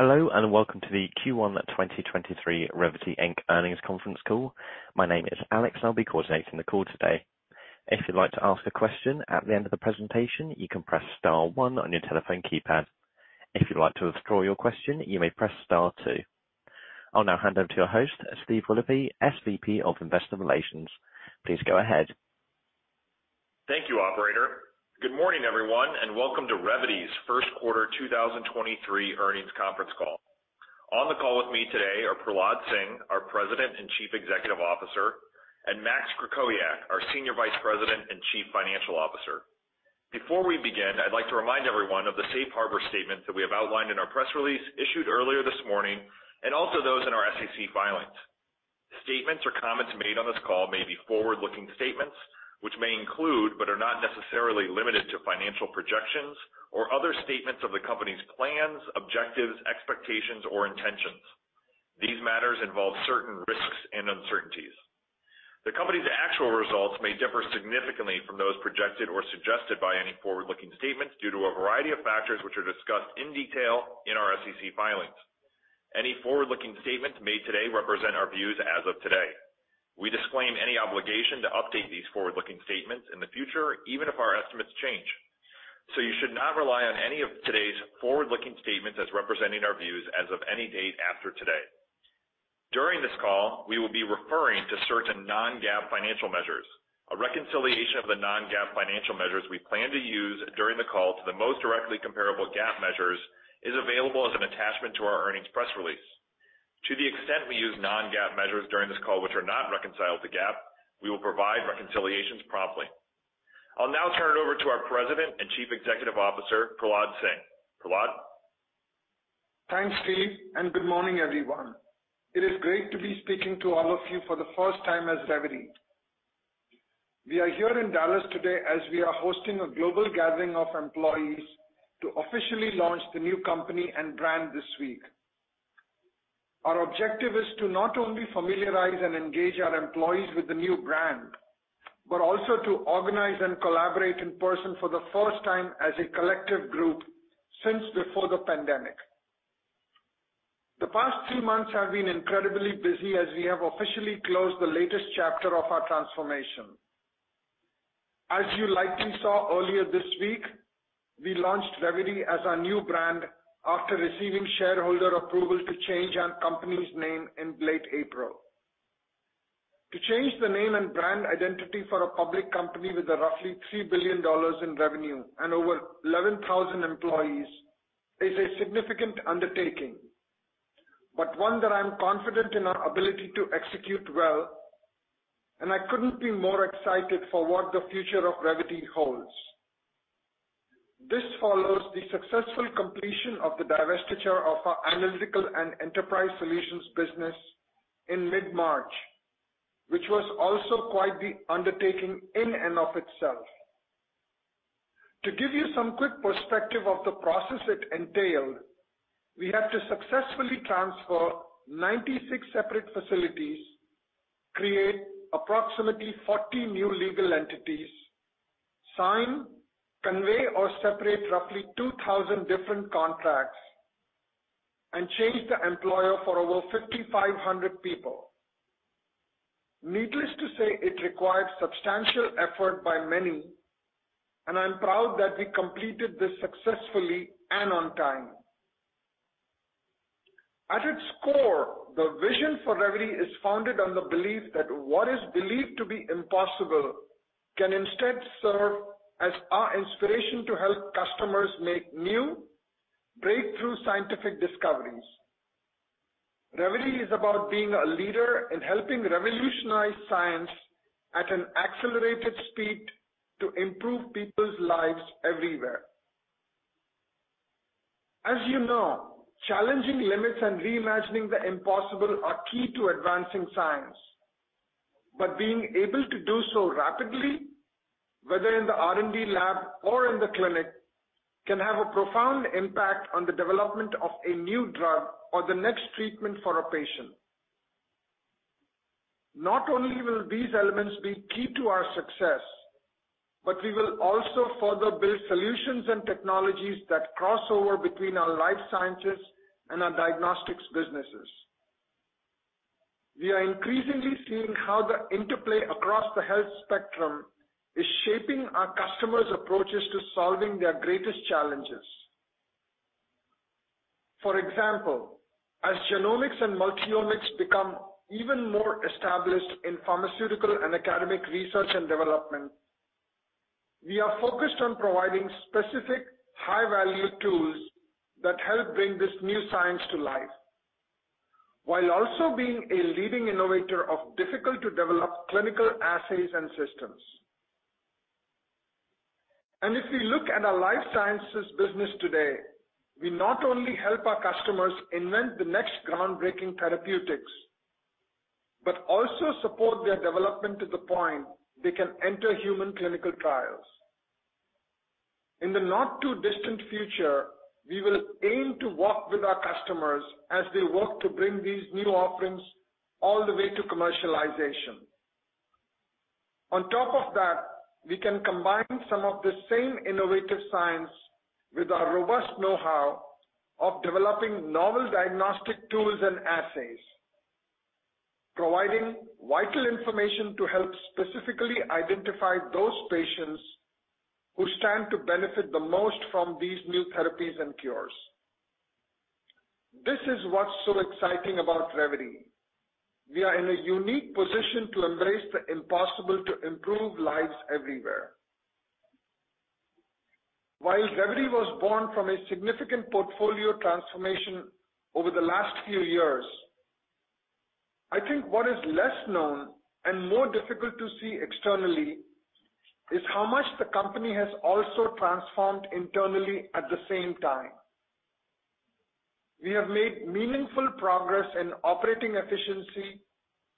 Hello, and welcome to the Q1 2023 Revvity Inc. earnings conference call. My name is Alex, I'll be coordinating the call today. If you'd like to ask a question at the end of the presentation, you can press star one on your telephone keypad. If you'd like to withdraw your question, you may press star two. I'll now hand over to your host, Steve Willoughby, SVP of Investor Relations. Please go ahead. Thank you, operator. Good morning, everyone, welcome to Revvity's first quarter 2023 earnings conference call. On the call with me today are Prahlad Singh, our President and Chief Executive Officer, and Max Krakowiak, our Senior Vice President and Chief Financial Officer. Before we begin, I'd like to remind everyone of the safe harbor statement that we have outlined in our press release issued earlier this morning, also those in our SEC filings. Statements or comments made on this call may be forward-looking statements, which may include, but are not necessarily limited to financial projections or other statements of the company's plans, objectives, expectations or intentions. These matters involve certain risks and uncertainties. The company's actual results may differ significantly from those projected or suggested by any forward-looking statements due to a variety of factors, which are discussed in detail in our SEC filings. Any forward-looking statements made today represent our views as of today. We disclaim any obligation to update these forward-looking statements in the future, even if our estimates change. You should not rely on any of today's forward-looking statements as representing our views as of any date after today. During this call, we will be referring to certain non-GAAP financial measures. A reconciliation of the non-GAAP financial measures we plan to use during the call to the most directly comparable GAAP measures is available as an attachment to our earnings press release. To the extent we use non-GAAP measures during this call which are not reconciled to GAAP, we will provide reconciliations promptly. I'll now turn it over to our President and Chief Executive Officer, Prahlad Singh. Prahlad. Thanks, Steve, good morning, everyone. It is great to be speaking to all of you for the first time as Revvity. We are here in Dallas today as we are hosting a global gathering of employees to officially launch the new company and brand this week. Our objective is to not only familiarize and engage our employees with the new brand, but also to organize and collaborate in person for the first time as a collective group since before the pandemic. The past two months have been incredibly busy as we have officially closed the latest chapter of our transformation. As you likely saw earlier this week, we launched Revvity as our new brand after receiving shareholder approval to change our company's name in late April. To change the name and brand identity for a public company with roughly $3 billion in revenue and over 11,000 employees is a significant undertaking, but one that I'm confident in our ability to execute well, and I couldn't be more excited for what the future of Revvity holds. This follows the successful completion of the divestiture of our Analytical and Enterprise Solutions business in mid-March, which was also quite the undertaking in and of itself. To give you some quick perspective of the process it entailed, we had to successfully transfer 96 separate facilities, create approximately 40 new legal entities, sign, convey or separate roughly 2,000 different contracts, and change the employer for over 5,500 people. Needless to say, it required substantial effort by many, and I'm proud that we completed this successfully and on time. At its core, the vision for Revvity is founded on the belief that what is believed to be impossible can instead serve as our inspiration to help customers make new breakthrough scientific discoveries. Revvity is about being a leader in helping revolutionize science at an accelerated speed to improve people's lives everywhere. As you know, challenging limits and reimagining the impossible are key to advancing science. Being able to do so rapidly, whether in the R&D lab or in the clinic, can have a profound impact on the development of a new drug or the next treatment for a patient. Not only will these elements be key to our success, but we will also further build solutions and technologies that cross over between our life sciences and our diagnostics businesses. We are increasingly seeing how the interplay across the health spectrum is shaping our customers' approaches to solving their greatest challenges. For example, as genomics and multi-omics become even more established in pharmaceutical and academic research and development, we are focused on providing specific high-value tools that help bring this new science to life, while also being a leading innovator of difficult to develop clinical assays and systems. If we look at our life sciences business today, we not only help our customers invent the next groundbreaking therapeutics, but also support their development to the point they can enter human clinical trials. In the not-too-distant future, we will aim to work with our customers as they work to bring these new offerings all the way to commercialization. On top of that, we can combine some of the same innovative science with our robust know-how of developing novel diagnostic tools and assays, providing vital information to help specifically identify those patients who stand to benefit the most from these new therapies and cures. This is what's so exciting about Revvity. We are in a unique position to embrace the impossible to improve lives everywhere. While Revvity was born from a significant portfolio transformation over the last few years, I think what is less known and more difficult to see externally is how much the company has also transformed internally at the same time. We have made meaningful progress in operating efficiency,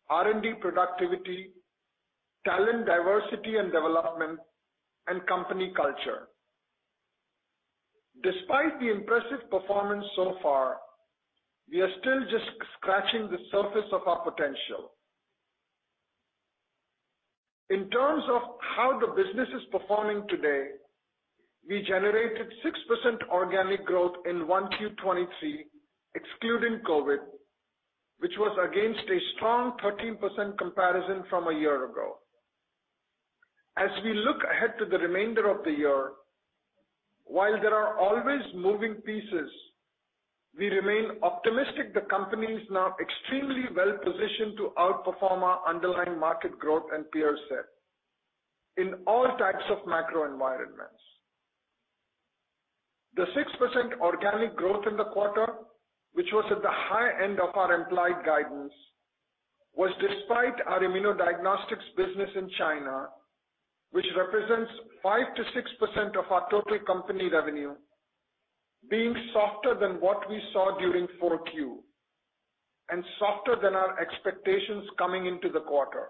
R&D productivity, talent diversity and development, and company culture. Despite the impressive performance so far, we are still just scratching the surface of our potential. In terms of how the business is performing today, we generated 6% organic growth in 1Q23 excluding COVID, which was against a strong 13% comparison from a year ago. As we look ahead to the remainder of the year, while there are always moving pieces, we remain optimistic the company is now extremely well-positioned to outperform our underlying market growth and peer set in all types of macro environments. The 6% organic growth in the quarter, which was at the high end of our implied guidance, was despite our immunodiagnostics business in China, which represents 5 to 6% of our total company revenue being softer than what we saw during 4Q and softer than our expectations coming into the quarter.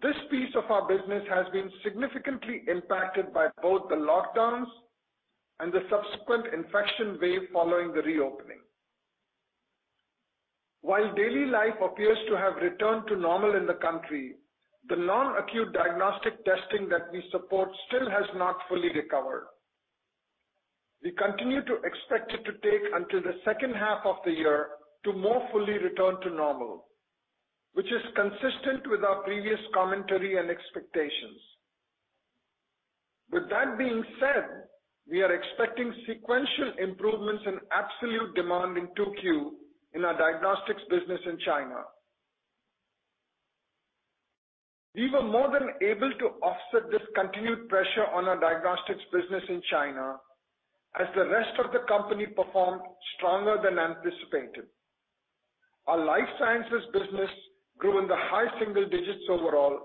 This piece of our business has been significantly impacted by both the lockdowns and the subsequent infection wave following the reopening. While daily life appears to have returned to normal in the country, the non-acute diagnostic testing that we support still has not fully recovered. We continue to expect it to take until the second half of the year to more fully return to normal, which is consistent with our previous commentary and expectations. With that being said, we are expecting sequential improvements in absolute demand in 2Q in our diagnostics business in China. We were more than able to offset this continued pressure on our diagnostics business in China as the rest of the company performed stronger than anticipated. Our life sciences business grew in the high single digits overall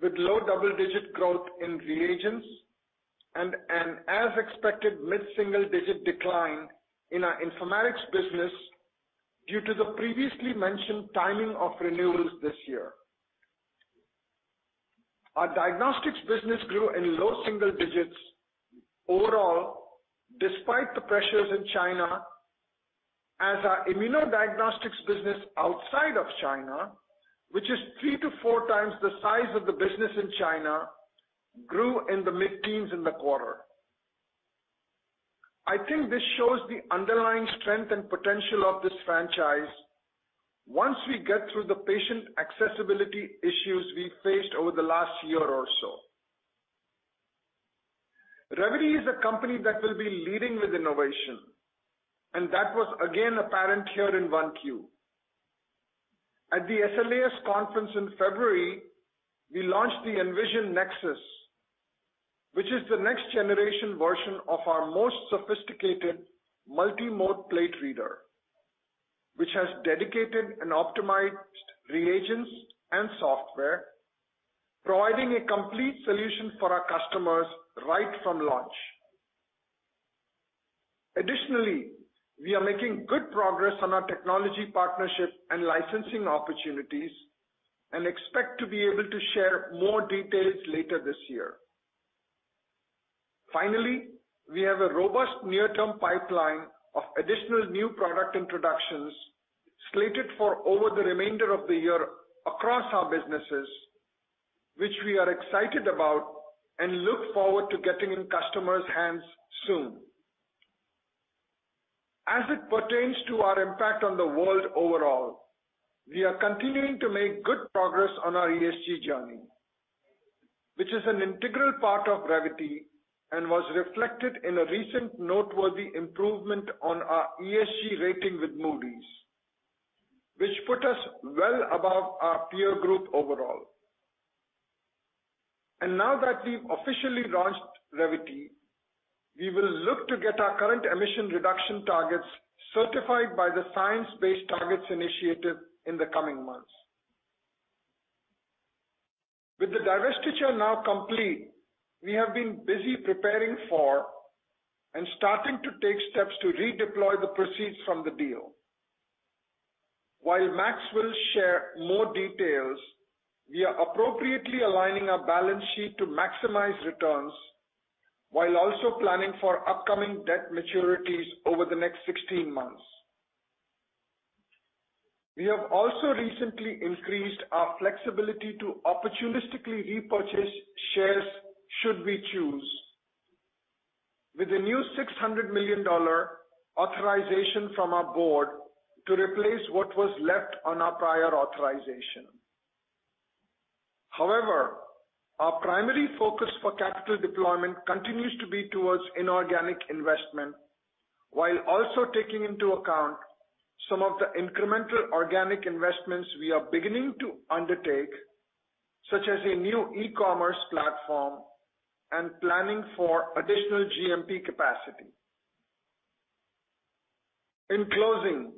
with low double-digit growth in reagents and an as expected mid-single digit decline in our informatics business due to the previously mentioned timing of renewals this year. Our diagnostics business grew in low single digits overall despite the pressures in China as our immunodiagnostics business outside of China, which is 3 to 4 times the size of the business in China, grew in the mid-teens in the quarter. I think this shows the underlying strength and potential of this franchise once we get through the patient accessibility issues we faced over the last year or so. Revvity is a company that will be leading with innovation, that was again apparent here in 1Q. At the SLAS conference in February, we launched the Envision Nexus, which is the next generation version of our most sophisticated multi-mode plate reader, which has dedicated and optimized reagents and software, providing a complete solution for our customers right from launch. Additionally, we are making good progress on our technology partnership and licensing opportunities and expect to be able to share more details later this year. Finally, we have a robust near-term pipeline of additional new product introductions slated for over the remainder of the year across our businesses, which we are excited about and look forward to getting in customers' hands soon. As it pertains to our impact on the world overall, we are continuing to make good progress on our ESG journey, which is an integral part of Revvity and was reflected in a recent noteworthy improvement on our ESG rating with Moody's, which put us well above our peer group overall. Now that we've officially launched Revvity, we will look to get our current emission reduction targets certified by the Science Based Targets Initiative in the coming months. With the divestiture now complete, we have been busy preparing for and starting to take steps to redeploy the proceeds from the deal. While Max will share more details, we are appropriately aligning our balance sheet to maximize returns while also planning for upcoming debt maturities over the next 16 months. We have also recently increased our flexibility to opportunistically repurchase shares should we choose. With the new $600 million authorization from our board to replace what was left on our prior authorization. Our primary focus for capital deployment continues to be towards inorganic investment, while also taking into account some of the incremental organic investments we are beginning to undertake, such as a new e-commerce platform and planning for additional GMP capacity. In closing,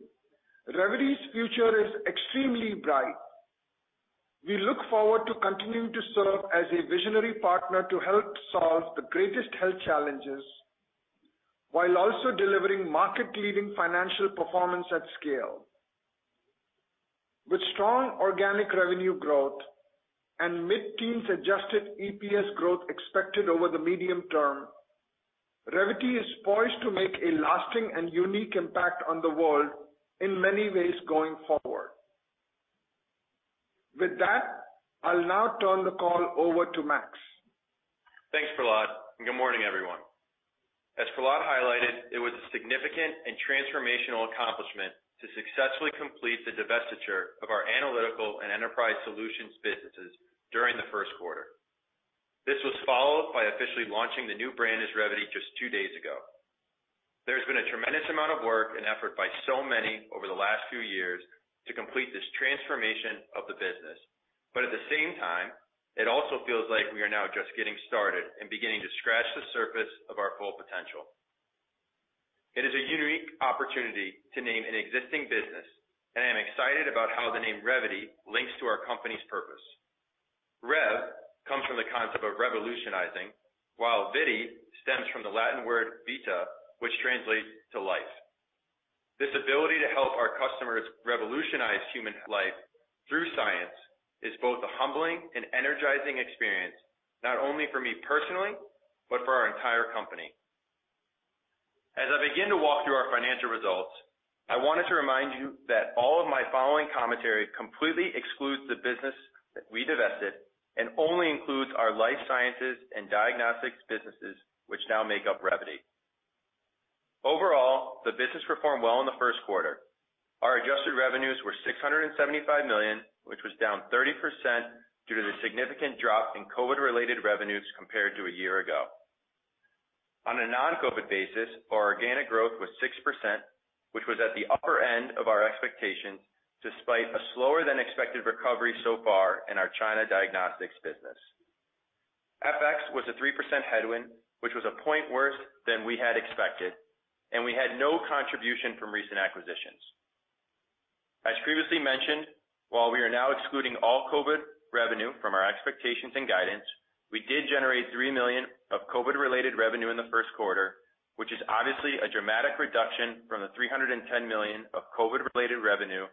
Revvity's future is extremely bright. We look forward to continuing to serve as a visionary partner to help solve the greatest health challenges, while also delivering market-leading financial performance at scale. With strong organic revenue growth and mid-teen suggested EPS growth expected over the medium term, Revvity is poised to make a lasting and unique impact on the world in many ways going forward. With that, I'll now turn the call over to Max. Thanks, Prahlad, and good morning, everyone. As Prahlad highlighted, it was a significant and transformational accomplishment to successfully complete the divestiture of our Analytical and Enterprise Solutions businesses during the first quarter. This was followed by officially launching the new brand as Revvity just 2 days ago. There's been a tremendous amount of work and effort by so many over the last few years to complete this transformation of the business. But at the same time, it also feels like we are now just getting started and beginning to scratch the surface of our full potential. It is a unique opportunity to name an existing business, and I'm excited about how the name Revvity links to our company's purpose. Rev comes from the concept of revolutionizing, while vity stems from the Latin word vita, which translates to life. I begin to walk through our financial results, I wanted to remind you that all of my following commentary completely excludes the business that we divested and only includes our life sciences and diagnostics businesses, which now make up Revvity. The business performed well in the first quarter. Our adjusted revenues were $675 million, which was down 30% due to the significant drop in COVID-related revenues compared to a year ago. On a non-COVID basis, our organic growth was 6%, which was at the upper end of our expectations, despite a slower than expected recovery so far in our China diagnostics business. FX was a 3% headwind, which was a point worse than we had expected. We had no contribution from recent acquisitions. As previously mentioned, while we are now excluding all COVID revenue from our expectations and guidance, we did generate $3 million of COVID-related revenue in the first quarter, which is obviously a dramatic reduction from the $310 million of COVID-related revenue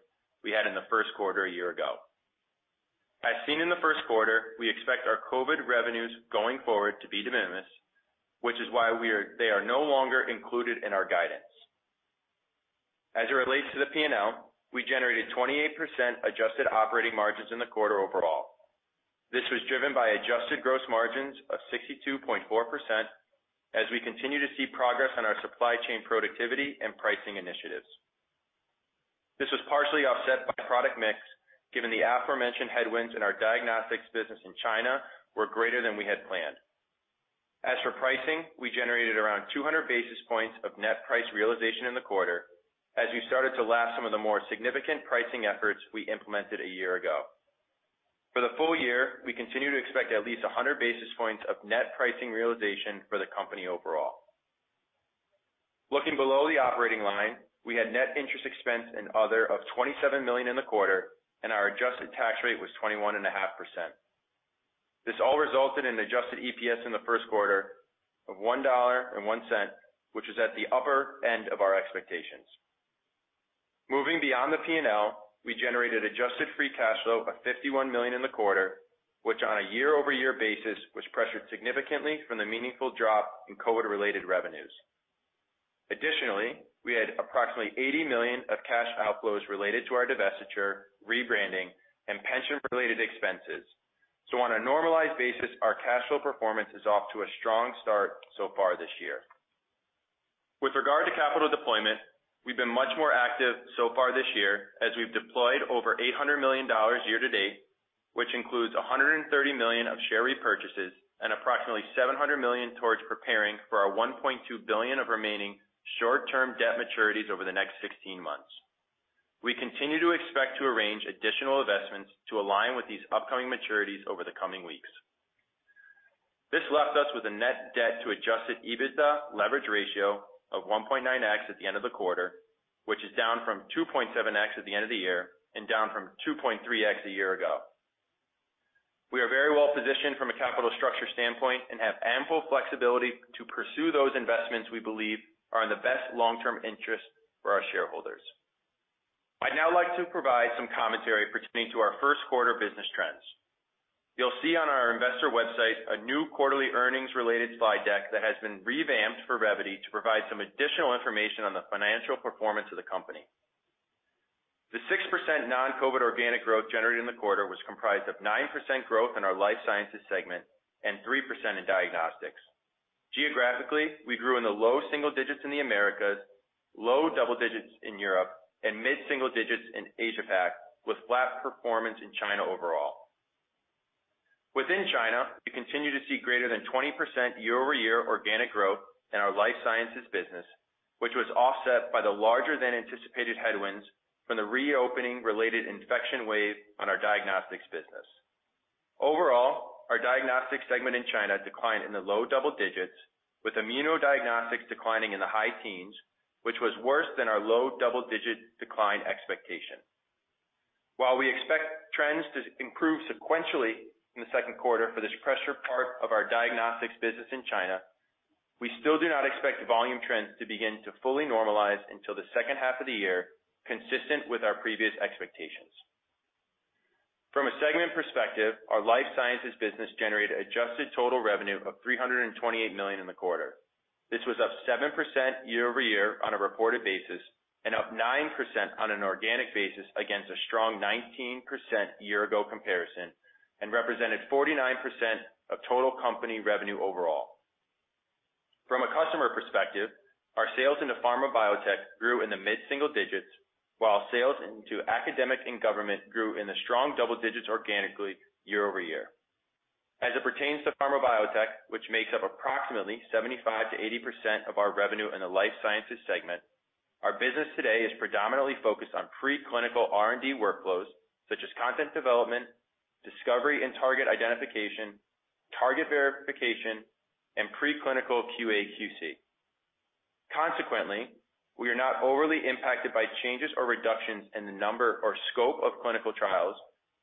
we had in the first quarter a year ago. As seen in the first quarter, we expect our COVID revenues going forward to be de minimis, which is why they are no longer included in our guidance. As it relates to the P&L, we generated 28% adjusted operating margins in the quarter overall. This was driven by adjusted gross margins of 62.4% as we continue to see progress on our supply chain productivity and pricing initiatives. This was partially offset by product mix, given the aforementioned headwinds in our diagnostics business in China were greater than we had planned. As for pricing, we generated around 200 basis points of net price realization in the quarter as we started to lap some of the more significant pricing efforts we implemented a year ago. For the full year, we continue to expect at least 100 basis points of net pricing realization for the company overall. Looking below the operating line, we had net interest expense and other of $27 million in the quarter, and our adjusted tax rate was 21.5%. This all resulted in adjusted EPS in the first quarter of $1.01, which is at the upper end of our expectations. Moving beyond the P&L, we generated adjusted free cash flow of $51 million in the quarter, which on a year-over-year basis was pressured significantly from the meaningful drop in COVID-related revenues. Additionally, we had approximately $80 million of cash outflows related to our divestiture, rebranding, and pension-related expenses. On a normalized basis, our cash flow performance is off to a strong start so far this year. With regard to capital deployment, we've been much more active so far this year as we've deployed over $800 million year to date, which includes $130 million of share repurchases and approximately $700 million towards preparing for our $1.2 billion of remaining short-term debt maturities over the next 16 months. We continue to expect to arrange additional investments to align with these upcoming maturities over the coming weeks. This left us with a net debt to adjusted EBITDA leverage ratio of 1.9x at the end of the quarter, which is down from 2.7x at the end of the year and down from 2.3x a year ago. We are very well positioned from a capital structure standpoint and have ample flexibility to pursue those investments we believe are in the best long-term interest for our shareholders. I'd now like to provide some commentary pertaining to our first quarter business trends. You'll see on our investor website a new quarterly earnings-related slide deck that has been revamped for Revvity to provide some additional information on the financial performance of the company. The 6% non-COVID organic growth generated in the quarter was comprised of 9% growth in our life sciences segment and 3% in diagnostics. Geographically, we grew in the low single digits in the Americas, low double digits in Europe, and mid single digits in Asia-Pac, with flat performance in China overall. Within China, we continue to see greater than 20% year-over-year organic growth in our life sciences business, which was offset by the larger than anticipated headwinds from the reopening related infection wave on our diagnostics business. Overall, our diagnostics segment in China declined in the low double digits, with immunodiagnostics declining in the high teens, which was worse than our low double-digit decline expectation. While we expect trends to improve sequentially in the second quarter for this pressure part of our diagnostics business in China, we still do not expect volume trends to begin to fully normalize until the second half of the year, consistent with our previous expectations. From a segment perspective, our life sciences business generated adjusted total revenue of $328 million in the quarter. This was up 7% year-over-year on a reported basis, and up 9% on an organic basis against a strong 19% year-ago comparison, and represented 49% of total company revenue overall. From a customer perspective, our sales into pharma biotech grew in the mid-single digits, while sales into academic and government grew in the strong double-digits organically year-over-year. As it pertains to pharma biotech, which makes up approximately 75 to 80% of our revenue in the life sciences segment, our business today is predominantly focused on pre-clinical R&D workflows such as content development, discovery and target identification, target verification, and pre-clinical QA/QC. Consequently, we are not overly impacted by changes or reductions in the number or scope of clinical trials,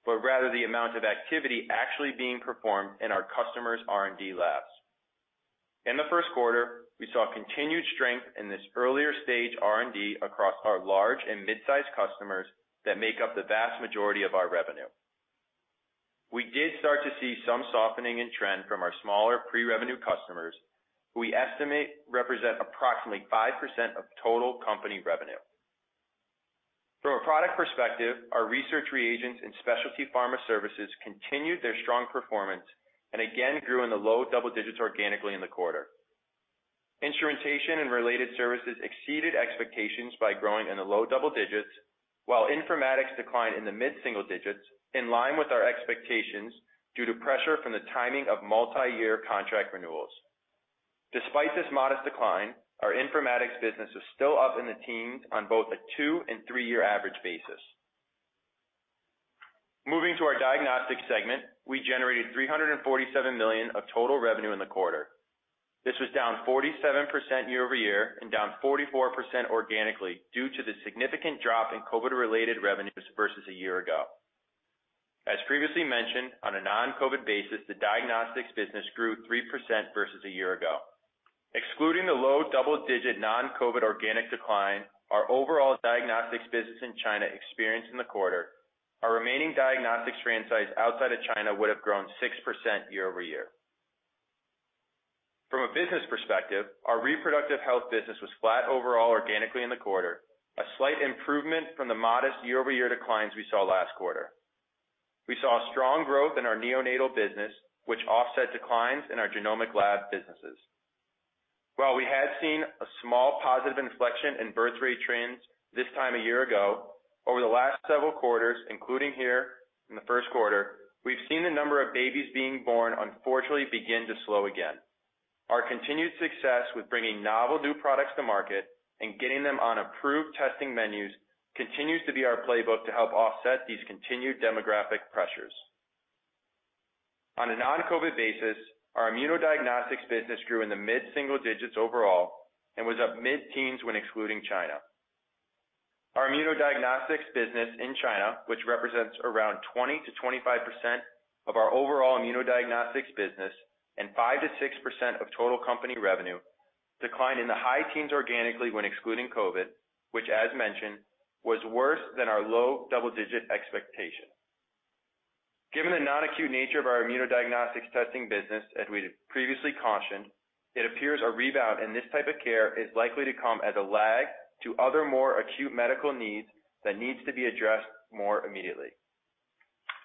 but rather the amount of activity actually being performed in our customers' R&D labs. In the first quarter, we saw continued strength in this earlier stage R&D across our large and mid-size customers that make up the vast majority of our revenue. We did start to see some softening in trend from our smaller pre-revenue customers, who we estimate represent approximately 5% of total company revenue. From a product perspective, our research reagents and specialty pharma services continued their strong performance and again grew in the low double digits organically in the quarter. Instrumentation and related services exceeded expectations by growing in the low double digits, while informatics declined in the mid single digits in line with our expectations due to pressure from the timing of multiyear contract renewals. Despite this modest decline, our informatics business is still up in the teens on both a two and three-year average basis. Moving to our diagnostics segment, we generated $347 million of total revenue in the quarter. This was down 47% year-over-year and down 44% organically due to the significant drop in COVID-related revenues versus a year ago. As previously mentioned, on a non-COVID basis, the diagnostics business grew 3% versus a year ago. Excluding the low double-digit non-COVID organic decline our overall diagnostics business in China experienced in the quarter, our remaining diagnostics franchise outside of China would have grown 6% year-over-year. From a business perspective, our reproductive health business was flat overall organically in the quarter, a slight improvement from the modest year-over-year declines we saw last quarter. We saw strong growth in our neonatal business, which offset declines in our genomic lab businesses. While we had seen a small positive inflection in birth rate trends this time a year ago, over the last several quarters, including here in the first quarter, we've seen the number of babies being born unfortunately begin to slow again. Our continued success with bringing novel new products to market and getting them on approved testing menus continues to be our playbook to help offset these continued demographic pressures. On a non-COVID basis, our immunodiagnostics business grew in the mid-single digits overall and was up mid-teens when excluding China. Our immunodiagnostics business in China, which represents around 20 to 25% of our overall immunodiagnostics business and 5 to 6% of total company revenue, declined in the high teens organically when excluding COVID, which as mentioned, was worse than our low double-digit expectation. Given the non-acute nature of our immunodiagnostics testing business, as we previously cautioned, it appears a rebound in this type of care is likely to come as a lag to other more acute medical needs that needs to be addressed more immediately.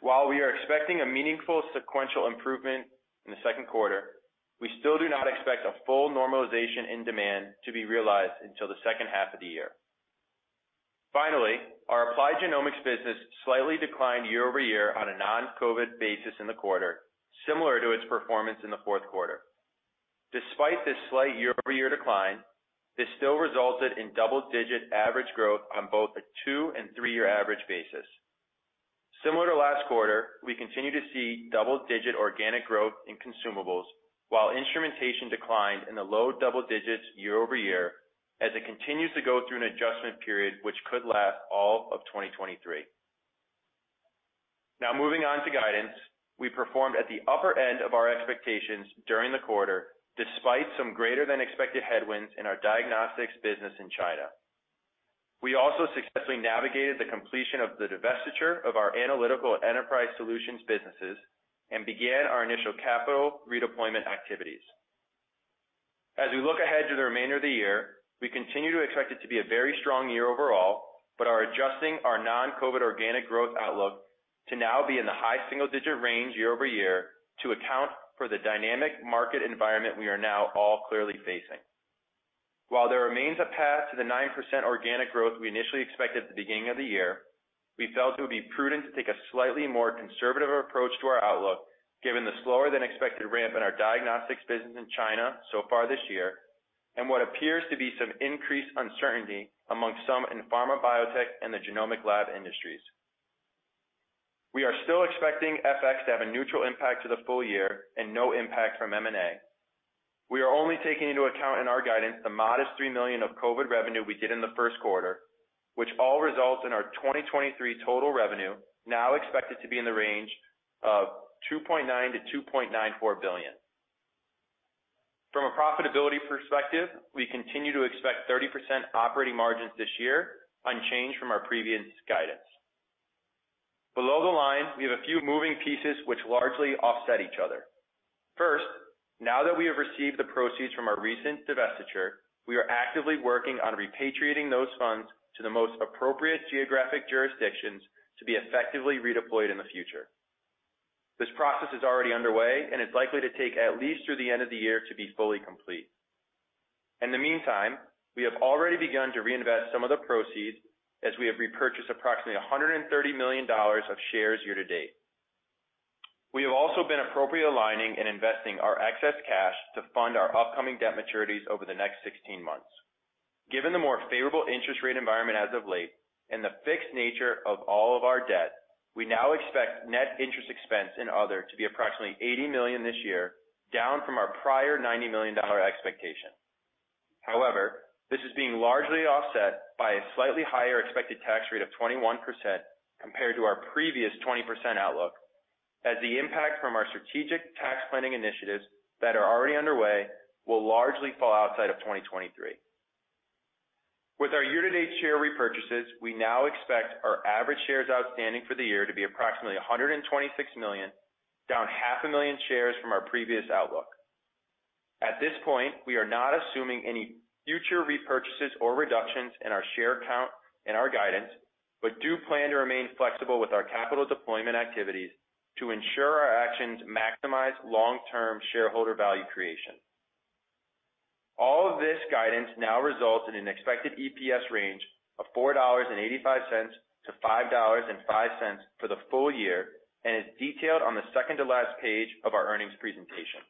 While we are expecting a meaningful sequential improvement in the second quarter, we still do not expect a full normalization in demand to be realized until the second half of the year. Our applied genomics business slightly declined year-over-year on a non-COVID basis in the quarter, similar to its performance in the fourth quarter. Despite this slight year-over-year decline, this still resulted in double-digit average growth on both a two and three-year average basis. Similar to last quarter, we continue to see double-digit organic growth in consumables, while instrumentation declined in the low double digits year-over-year as it continues to go through an adjustment period which could last all of 2023. Moving on to guidance. We performed at the upper end of our expectations during the quarter, despite some greater than expected headwinds in our diagnostics business in China. We also successfully navigated the completion of the divestiture of our Analytical Enterprise Solutions businesses and began our initial capital redeployment activities. As we look ahead to the remainder of the year, we continue to expect it to be a very strong year overall, but are adjusting our non-COVID organic growth outlook to now be in the high single-digit range year-over-year to account for the dynamic market environment we are now all clearly facing. While there remains a path to the 9% organic growth we initially expected at the beginning of the year, we felt it would be prudent to take a slightly more conservative approach to our outlook, given the slower than expected ramp in our diagnostics business in China so far this year, and what appears to be some increased uncertainty amongst some in pharma biotech and the genomic lab industries. We are still expecting FX to have a neutral impact to the full year and no impact from M&A. We are only taking into account in our guidance the modest $3 million of COVID revenue we did in the first quarter, which all results in our 2023 total revenue now expected to be in the range of $2.9 billion to 2.94 billion. From a profitability perspective, we continue to expect 30% operating margins this year, unchanged from our previous guidance. Below the line, we have a few moving pieces which largely offset each other. First, now that we have received the proceeds from our recent divestiture, we are actively working on repatriating those funds to the most appropriate geographic jurisdictions to be effectively redeployed in the future. This process is already underway and is likely to take at least through the end of the year to be fully complete. In the meantime, we have already begun to reinvest some of the proceeds as we have repurchased approximately $130 million of shares year to date. We have also been appropriately aligning and investing our excess cash to fund our upcoming debt maturities over the next 16 months. Given the more favorable interest rate environment as of late and the fixed nature of all of our debt, we now expect net interest expense and other to be approximately $80 million this year, down from our prior $90 million expectation. This is being largely offset by a slightly higher expected tax rate of 21% compared to our previous 20% outlook, as the impact from our strategic tax planning initiatives that are already underway will largely fall outside of 2023. With our year-to-date share repurchases, we now expect our average shares outstanding for the year to be approximately 126 million, down half a million shares from our previous outlook. Do plan to remain flexible with our capital deployment activities to ensure our actions maximize long-term shareholder value creation. All of this guidance now results in an expected EPS range of $4.85 to 5.05 for the full year and is detailed on the second to last page of our earnings presentation.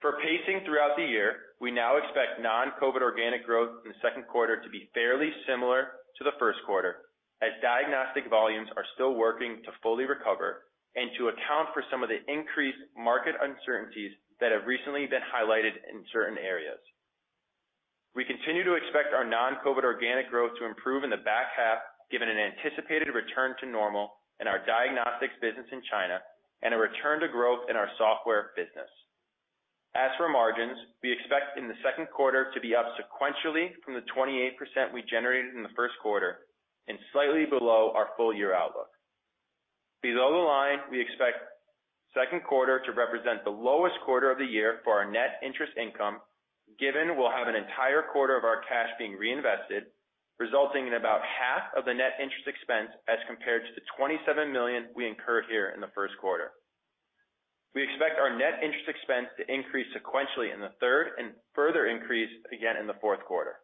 For pacing throughout the year, we now expect non-COVID organic growth in the second quarter to be fairly similar to the first quarter, as diagnostic volumes are still working to fully recover and to account for some of the increased market uncertainties that have recently been highlighted in certain areas. We continue to expect our non-COVID organic growth to improve in the back half, given an anticipated return to normal in our diagnostics business in China and a return to growth in our software business. As for margins, we expect in the second quarter to be up sequentially from the 28% we generated in the first quarter and slightly below our full year outlook. Below the line, we expect second quarter to represent the lowest quarter of the year for our net interest income, given we'll have an entire quarter of our cash being reinvested, resulting in about half of the net interest expense as compared to the $27 million we incurred here in the first quarter. We expect our net interest expense to increase sequentially in the third and further increase again in the fourth quarter.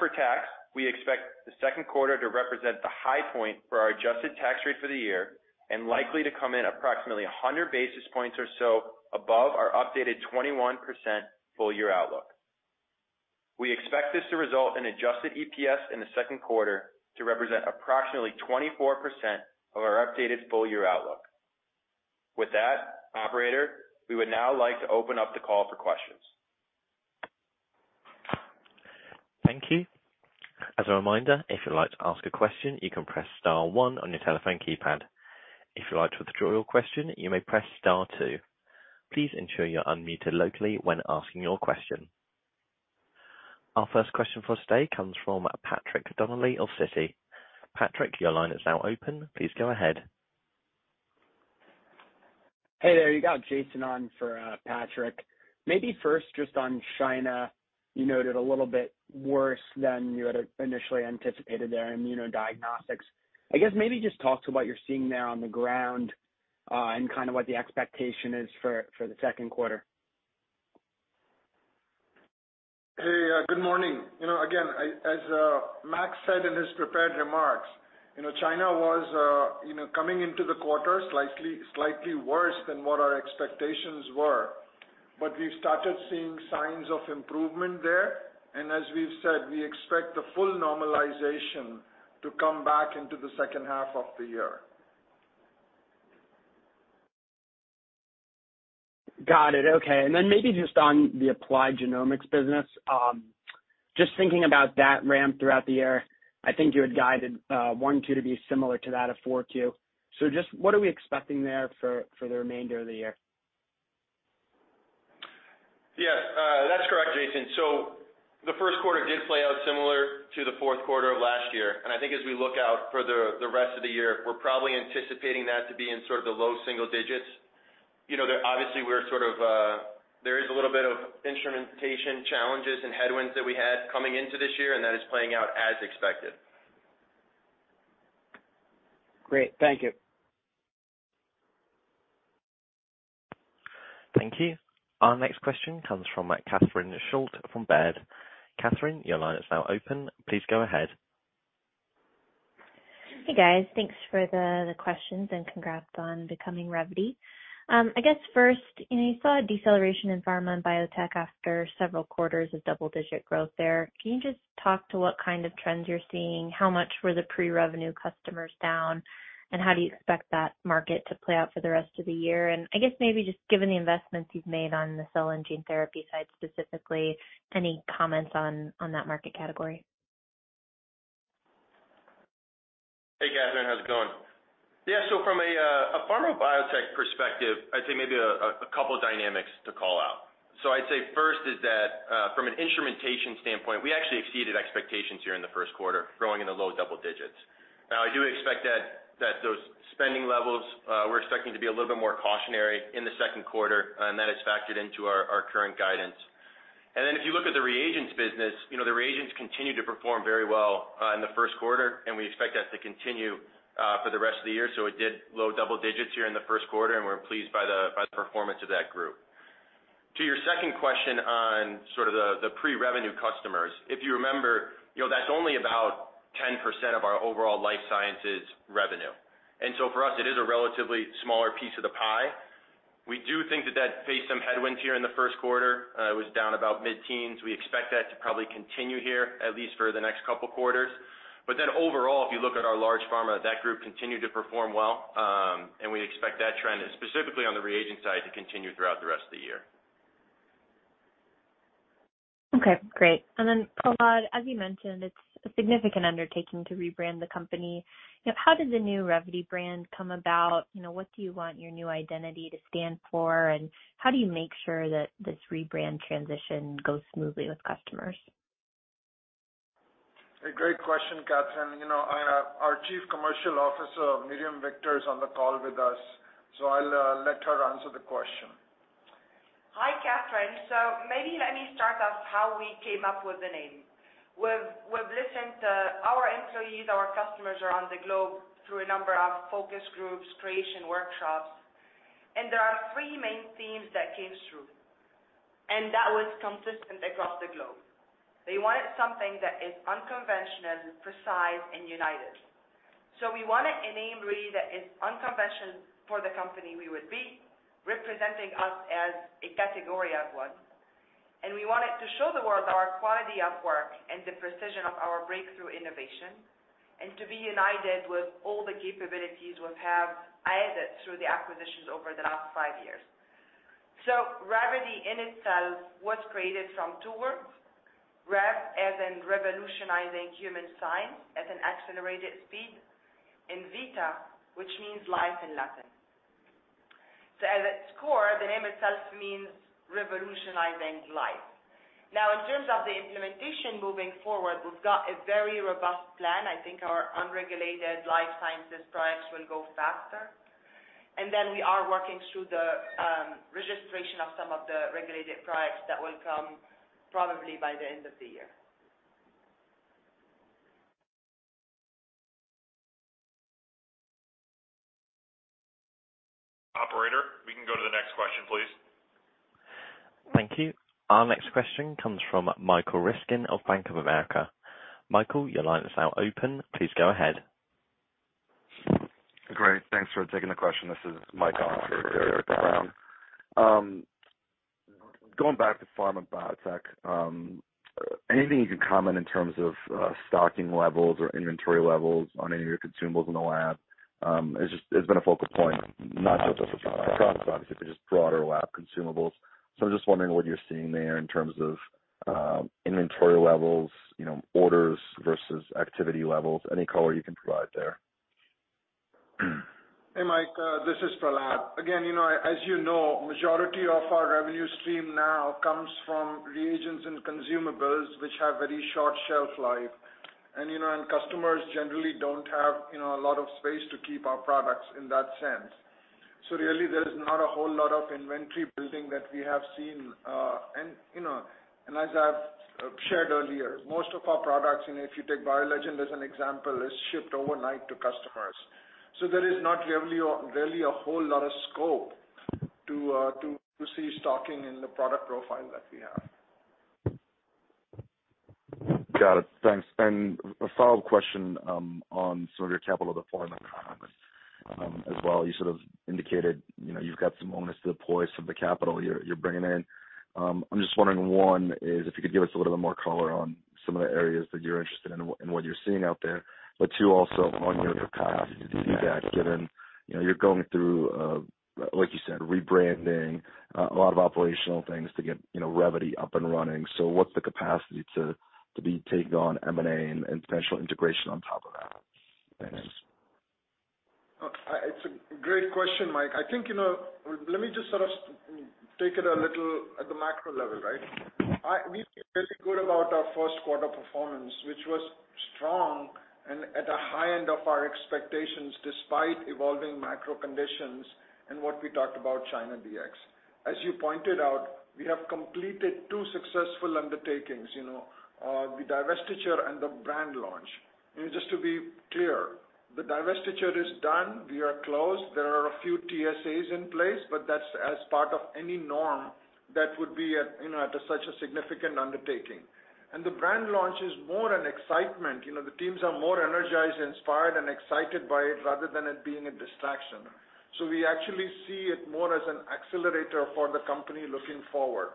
For tax, we expect the second quarter to represent the high point for our adjusted tax rate for the year and likely to come in approximately 100 basis points or so above our updated 21% full year outlook. We expect this to result in adjusted EPS in the second quarter to represent approximately 24% of our updated full year outlook. With that, operator, we would now like to open up the call for questions. Thank you. As a reminder, if you'd like to ask a question, you can press star one on your telephone keypad. If you'd like to withdraw your question, you may press star two. Please ensure you're unmuted locally when asking your question. Our first question for today comes from Patrick Donnelly of Citi. Patrick, your line is now open. Please go ahead. Hey there, you got Jason on for Patrick. Maybe first, just on China, you noted a little bit worse than you had initially anticipated there in immunodiagnostics. I guess maybe just talk to what you're seeing there on the ground, and kind of what the expectation is for the second quarter? Good morning. You know, again, as Max said in his prepared remarks, you know, China was, you know, coming into the quarter slightly worse than what our expectations were. We've started seeing signs of improvement there. As we've said, we expect the full normalization to come back into the second half of the year. Got it. Okay. Maybe just on the applied genomics business, just thinking about that ramp throughout the year, I think you had guided, 1 2 to be similar to that of 4 2. What are we expecting there for the remainder of the year? Yes, that's correct, Jason. The first quarter did play out similar to the fourth quarter of last year. I think as we look out for the rest of the year, we're probably anticipating that to be in sort of the low single digits. You know, obviously, we're sort of, there is a little bit of instrumentation challenges and headwinds that we had coming into this year, and that is playing out as expected. Great. Thank you. Thank you. Our next question comes from Catherine Schulte from Baird. Catherine, your line is now open. Please go ahead. Hey, guys. Thanks for the questions, and congrats on becoming Revvity. I guess first, you know, you saw a deceleration environment in biotech after several quarters of double-digit growth there. Can you just talk to what kind of trends you're seeing? How much were the pre-revenue customers down, and how do you expect that market to play out for the rest of the year? I guess maybe just given the investments you've made on the cell and gene therapy side, specifically, any comments on that market category? Hey, Catherine, how's it going? Yeah. From a pharma biotech perspective, I'd say maybe a couple of dynamics to call out. I'd say first is that, from an instrumentation standpoint, we actually exceeded expectations here in the first quarter, growing in the low double digits. Now, I do expect that those spending levels, we're expecting to be a little bit more cautionary in the second quarter, and that is factored into our current guidance. If you look at the reagents business, you know, the reagents continue to perform very well in the first quarter, and we expect that to continue for the rest of the year. It did low double digits here in the first quarter, and we're pleased by the performance of that group. To your second question on sort of the pre-revenue customers, if you remember, you know, that's only about 10% of our overall life sciences revenue. For us, it is a relatively smaller piece of the pie. We do think that that faced some headwinds here in the 1st quarter. It was down about mid-teens. We expect that to probably continue here, at least for the next couple quarters. Overall, if you look at our large pharma, that group continued to perform well, and we expect that trend, and specifically on the reagent side, to continue throughout the rest of the year. Okay, great. Then, Prahlad, as you mentioned, it's a significant undertaking to rebrand the company. You know, how did the new Revvity brand come about? You know, what do you want your new identity to stand for? How do you make sure that this rebrand transition goes smoothly with customers? A great question, Catherine. You know, our Chief Commercial Officer, Miriame Victor, is on the call with us, I'll let her answer the question. Hi, Catherine. Maybe let me start off how we came up with the name. We've listened to our employees, our customers around the globe through a number of focus groups, creation workshops, and there are three main themes that came through, and that was consistent across the globe. They wanted something that is unconventional, precise and united. We wanted a name really that is unconventional for the company we would be, representing us as a category of one. We wanted to show the world our quality of work and the precision of our breakthrough innovation and to be united with all the capabilities we've have added through the acquisitions over the last five years. Revvity in itself was created from two words, Rev, as in revolutionizing human science at an accelerated speed, and Vita, which means life in Latin. At its core, the name itself means revolutionizing life. In terms of the implementation moving forward, we've got a very robust plan. I think our unregulated life sciences products will go faster. We are working through the registration of some of the regulated products that will come probably by the end of the year. Operator, we can go to the next question, please. Thank you. Our next question comes from Michael Ryskin of Bank of America. Michael, your line is now open. Please go ahead. Great. Thanks for taking the question. This is Mike Ryskin with Bank of America. Going back to pharma biotech, anything you can comment in terms of stocking levels or inventory levels on any of your consumables in the lab? It's been a focal point, not just with across products, but just broader lab consumables. I'm just wondering what you're seeing there in terms of inventory levels, you know, orders versus activity levels. Any color you can provide there? Hey, Mike, this is Prahlad. Again, you know, as you know, majority of our revenue stream now comes from reagents and consumables, which have very short shelf life. Customers generally don't have, you know, a lot of space to keep our products in that sense. Really, there's not a whole lot of inventory building that we have seen, and, you know, as I've shared earlier, most of our products, and if you take BioLegend as an example, is shipped overnight to customers. There is not really a whole lot of scope to see stocking in the product profile that we have. Got it. Thanks. A follow-up question on some of your capital deployment comments as well. You sort of indicated, you know, you've got some onus to deploy some of the capital you're bringing in. I'm just wondering, one, is if you could give us a little bit more color on some of the areas that you're interested in and what you're seeing out there. Two, also on your capacity to do that, given, you know, you're going through, like you said, rebranding, a lot of operational things to get, you know, Revvity up and running. What's the capacity to be taking on M&A and potential integration on top of that? Thanks. It's a great question, Mike. I think, you know, let me just sort of take it a little at the macro level, right? We feel really good about our first quarter performance, which was strong and at the high end of our expectations, despite evolving macro conditions and what we talked about China Dx. As you pointed out, we have completed two successful undertakings, you know, the divestiture and the brand launch. Just to be clear, the divestiture is done. We are closed. There are a few TSAs in place, that's as part of any norm that would be at, you know, at such a significant undertaking. The brand launch is more an excitement, you know, the teams are more energized, inspired, and excited by it, rather than it being a distraction. We actually see it more as an accelerator for the company looking forward.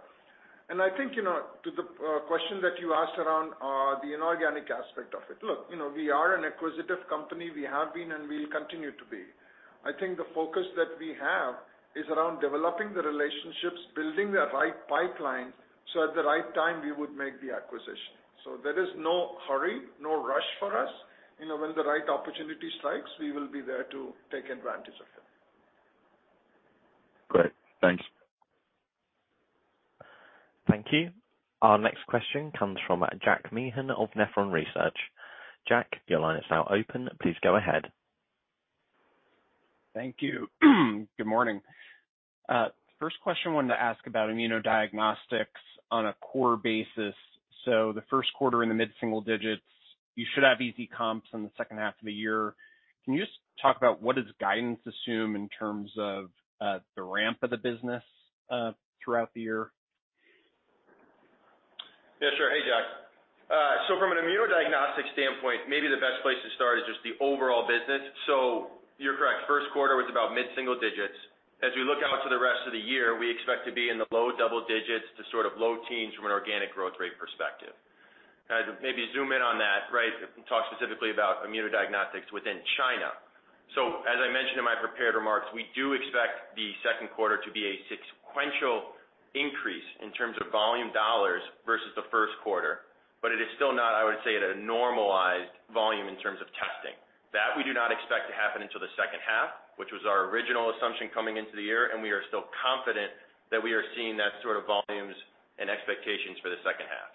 I think, you know, to the question that you asked around the inorganic aspect of it. Look, you know, we are an acquisitive company. We have been and will continue to be. I think the focus that we have is around developing the relationships, building the right pipeline, so at the right time we would make the acquisition. There is no hurry, no rush for us. You know, when the right opportunity strikes, we will be there to take advantage of it. Great. Thanks. Thank you. Our next question comes from Jack Meehan of Nephron Research. Jack, your line is now open. Please go ahead. Thank you. Good morning. First question I wanted to ask about immunodiagnostics on a core basis. The first quarter in the mid-single digits, you should have easy comps in the second half of the year. Can you just talk about what does guidance assume in terms of the ramp of the business throughout the year? Yes, sure. Hey, Jack. From an immunodiagnostics standpoint, maybe the best place to start is just the overall business. You're correct, first quarter was about mid-single digits. As we look out to the rest of the year, we expect to be in the low double digits to sort of low teens from an organic growth rate perspective. To maybe zoom in on that, right, talk specifically about immunodiagnostics within China. As I mentioned in my prepared remarks, we do expect the second quarter to be a sequential increase in terms of volume dollars versus the first quarter, but it is still not, I would say, at a normalized volume in terms of testing. We do not expect to happen until the second half, which was our original assumption coming into the year. We are still confident that we are seeing that sort of volumes and expectations for the second half.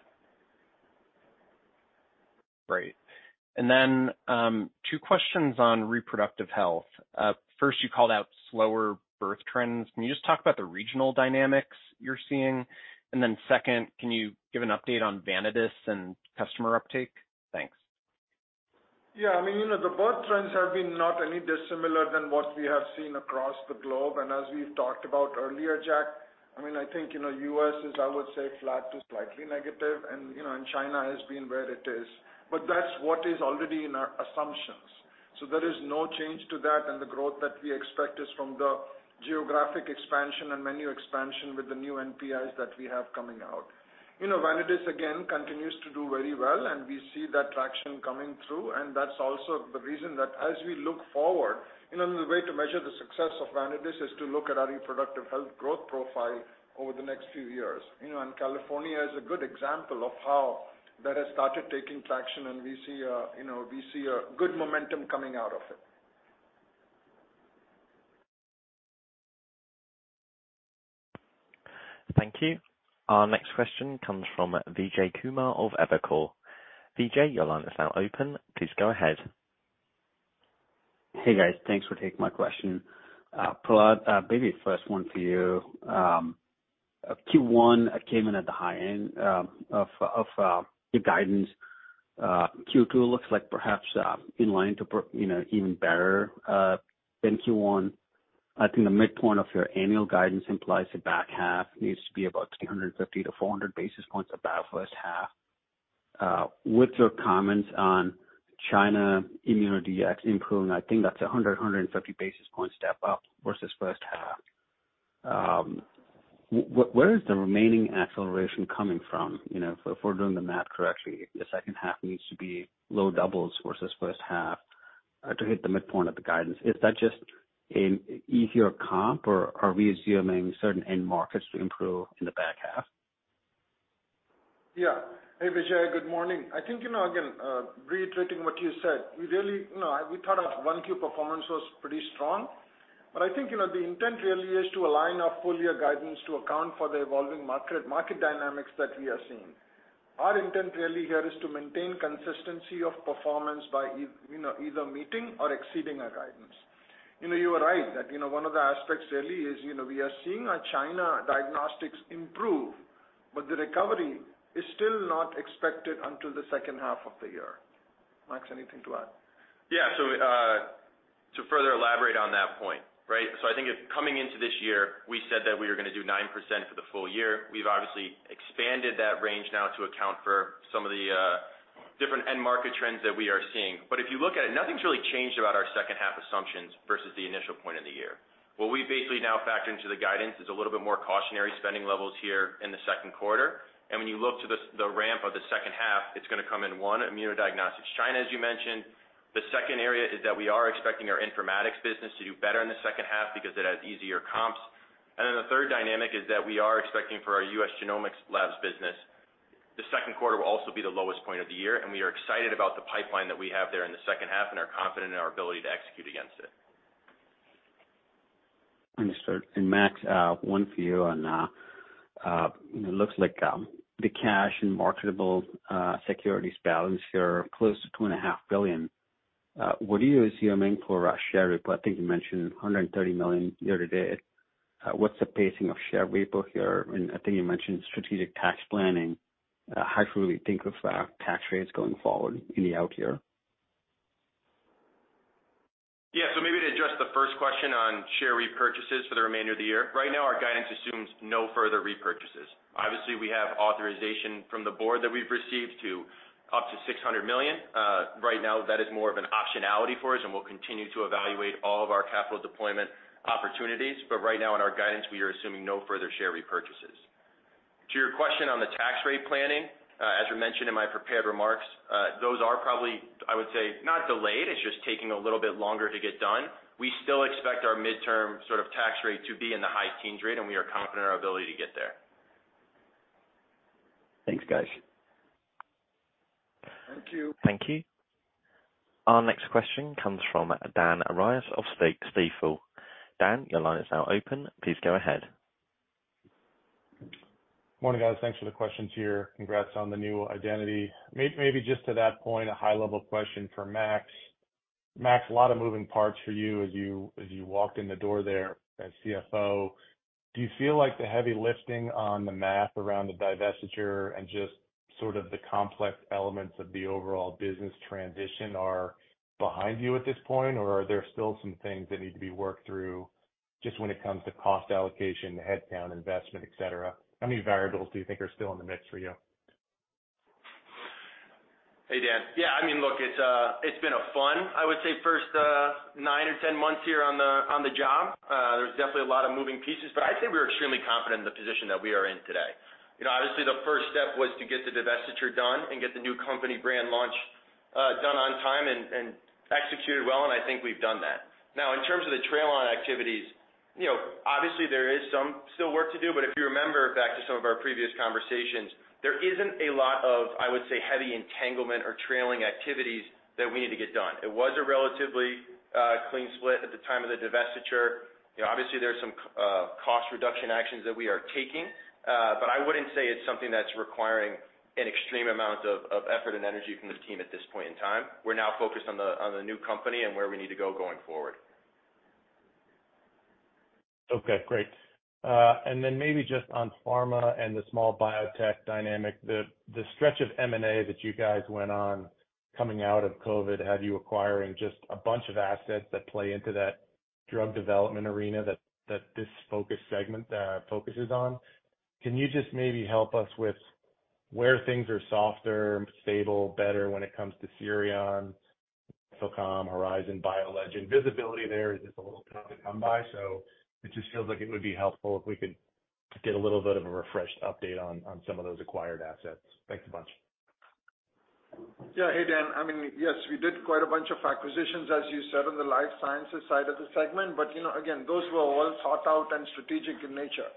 Great. Two questions on reproductive health. First you called out slower birth trends. Can you just talk about the regional dynamics you're seeing? Second, can you give an update on Vanadis and customer uptake? Thanks. Yeah, I mean, you know, the birth trends have been not any dissimilar than what we have seen across the globe. As we've talked about earlier, Jack, I mean, I think, you know, U.S. is, I would say, flat to slightly negative and, you know, and China has been where it is. That's what is already in our assumptions. There is no change to that. The growth that we expect is from the geographic expansion and menu expansion with the new NPIs that we have coming out. You know, Vanadis, again, continues to do very well, and we see that traction coming through. That's also the reason that as we look forward, you know, the way to measure the success of Vanadis is to look at our reproductive health growth profile over the next few years. You know, California is a good example of how that has started taking traction, and we see, you know, we see a good momentum coming out of it. Thank you. Our next question comes from Vijay Kumar of Evercore. Vijay, your line is now open. Please go ahead. Hey, guys. Thanks for taking my question. Prahlad, maybe the first one for you. Q1 came in at the high end of your guidance. Q2 looks like perhaps, in line to, you know, even better than Q1. I think the midpoint of your annual guidance implies the back half needs to be about 350-400 basis points above first half. With your comments on China immunodiagnostics improving, I think that's 100-150 basis points step-up versus first half. Where is the remaining acceleration coming from? You know, if we're doing the math correctly, the second half needs to be low doubles versus first half to hit the midpoint of the guidance. Is that just an easier comp, or are we assuming certain end markets to improve in the back half? Yeah. Hey, Vijay, good morning. I think, you know, again, reiterating what you said, we really, you know, we thought our 1Q performance was pretty strong. I think, you know, the intent really is to align our full year guidance to account for the evolving market dynamics that we are seeing. Our intent really here is to maintain consistency of performance by, you know, either meeting or exceeding our guidance. You know, you are right that, you know, one of the aspects really is, you know, we are seeing our China diagnostics improve, but the recovery is still not expected until the second half of the year. Max, anything to add? Yeah. To further elaborate on that point, right? I think coming into this year, we said that we were gonna do 9% for the full year. We've obviously expanded that range now to account for some of the different end market trends that we are seeing. If you look at it, nothing's really changed about our second half assumptions versus the initial point of the year. What we basically now factor into the guidance is a little bit more cautionary spending levels here in the second quarter. When you look to the ramp of the second half, it's gonna come in, one, immunodiagnostics, China, as you mentioned. The second area is that we are expecting our informatics business to do better in the second half because it has easier comps. The third dynamic is that we are expecting for our U.S. genomics labs business. The second quarter will also be the lowest point of the year, and we are excited about the pipeline that we have there in the second half and are confident in our ability to execute against it. Understood. Max, one for you on, it looks like, the cash and marketable securities balance here are close to $2.5 billion. What do you assuming for our share rep-- I think you mentioned $130 million year-to-date. What's the pacing of share repo here? I think you mentioned strategic tax planning. How should we think of tax rates going forward in the out year? Yeah. Maybe to address the first question on share repurchases for the remainder of the year. Right now, our guidance assumes no further repurchases. Obviously, we have authorization from the board that we've received to up to $600 million. Right now, that is more of an optionality for us, and we'll continue to evaluate all of our capital deployment opportunities. Right now in our guidance, we are assuming no further share repurchases. To your question on the tax rate planning, as we mentioned in my prepared remarks, those are probably, I would say, not delayed. It's just taking a little bit longer to get done. We still expect our midterm sort of tax rate to be in the high teens rate, and we are confident in our ability to get there. Thanks, guys. Thank you. Thank you. Our next question comes from Dan Arias of Stifel. Dan, your line is now open. Please go ahead. Morning, guys. Thanks for the questions here. Congrats on the new identity. Maybe just to that point, a high-level question for Max. Max, a lot of moving parts for you as you walked in the door there as CFO. Do you feel like the heavy lifting on the math around the divestiture and just sort of the complex elements of the overall business transition are behind you at this point, or are there still some things that need to be worked through just when it comes to cost allocation, the head count, investment, et cetera? How many variables do you think are still in the mix for you? Hey, Dan. Yeah, I mean, look, it's been a fun, I would say, first, 9 or 10 months here on the, on the job. There's definitely a lot of moving pieces, but I'd say we're extremely confident in the position that we are in today. You know, obviously, the first step was to get the divestiture done and get the new company brand launch, done on time and executed well, and I think we've done that. In terms of the trail line activities, you know, obviously there is some still work to do, but if you remember back to some of our previous conversations, there isn't a lot of, I would say, heavy entanglement or trailing activities that we need to get done. It was a relatively clean split at the time of the divestiture. You know, obviously, there's some cost reduction actions that we are taking. I wouldn't say it's something that's requiring an extreme amount of effort and energy from the team at this point in time. We're now focused on the, on the new company and where we need to go going forward. Okay, great. Then maybe just on pharma and the small biotech dynamic, the stretch of M&A that you guys went on coming out of COVID had you acquiring just a bunch of assets that play into that drug development arena that this focus segment focuses on. Can you just maybe help us with where things are softer, stable, better when it comes to Cisbio, FilCom, Horizon, BioLegend? Visibility there is just a little tough to come by, so it just feels like it would be helpful if we could get a little bit of a refreshed update on some of those acquired assets. Thanks a bunch. Yeah. Hey, Dan. I mean, yes, we did quite a bunch of acquisitions, as you said, on the life sciences side of the segment. You know, again, those were all thought out and strategic in nature.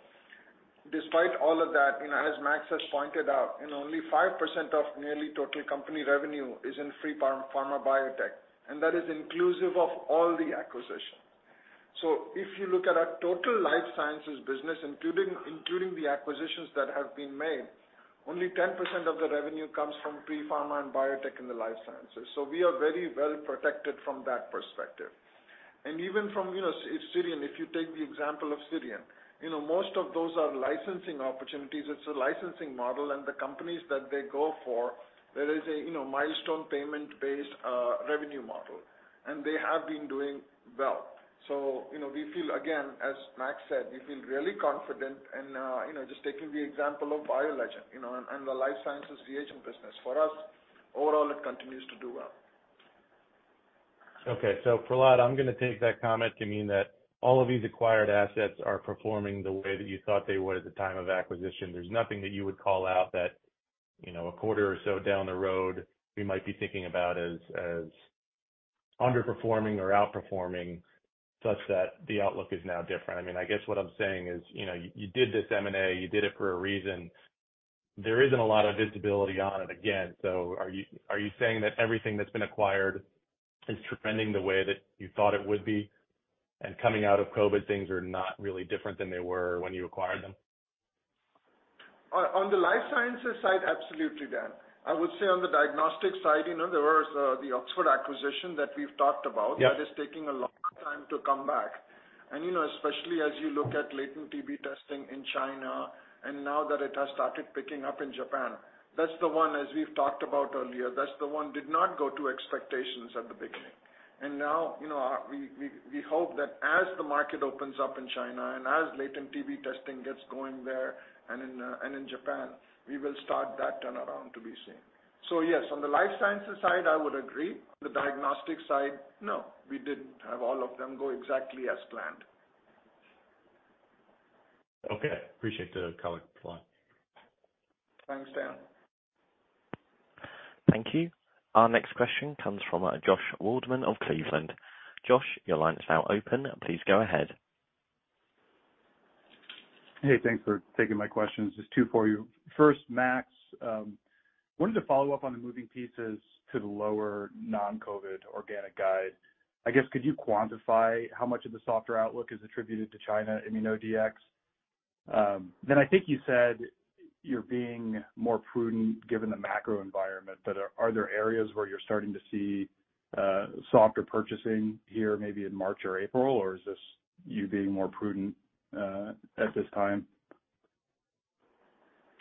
Despite all of that, you know, as Max has pointed out, you know, only 5% of nearly total company revenue is in pre-pharma biotech, and that is inclusive of all the acquisition. If you look at our total life sciences business, including the acquisitions that have been made, only 10% of the revenue comes from pre-pharma and biotech in the life sciences. We are very well protected from that perspective. Even from, you know, SIRION, if you take the example of SIRION, you know, most of those are licensing opportunities. It's a licensing model, and the companies that they go for, there is a, you know, milestone payment-based revenue model, and they have been doing well. You know, we feel, again, as Max said, we feel really confident and, you know, just taking the example of BioLegend, you know, and the life sciences reagent business. For us, overall, it continues to do well. Okay. Prahlad, I'm gonna take that comment to mean that all of these acquired assets are performing the way that you thought they would at the time of acquisition. There's nothing that you would call out that, you know, a quarter or so down the road, we might be thinking about as underperforming or outperforming such that the outlook is now different. I mean, I guess what I'm saying is, you know, you did this M&A, you did it for a reason. There isn't a lot of visibility on it again. Are you saying that everything that's been acquired is trending the way that you thought it would be? Coming out of COVID, things are not really different than they were when you acquired them? On the life sciences side, absolutely, Dan. I would say on the diagnostic side, you know, there was the Oxford acquisition that we've talked about. Yes. That is taking a long time to come back. You know, especially as you look at latent TB testing in China and now that it has started picking up in Japan, that's the one, as we've talked about earlier, that's the one did not go to expectations at the beginning. Now, you know, we hope that as the market opens up in China and as latent TB testing gets going there and in Japan, we will start that turnaround to be seen. Yes, on the life sciences side, I would agree. The diagnostic side, no, we didn't have all of them go exactly as planned. Okay. Appreciate the color, Prahlad. Thanks, Dan. Thank you. Our next question comes from Josh Waldman of Cleveland. Josh, your line is now open. Please go ahead. Hey, thanks for taking my questions. Just two for you. First, Max, wanted to follow up on the moving pieces to the lower non-COVID organic guide. I guess could you quantify how much of the softer outlook is attributed to China immunodiagnostics? I think you said you're being more prudent given the macro environment, but are there areas where you're starting to see softer purchasing here, maybe in March or April? Or is this you being more prudent at this time?